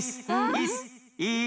いす。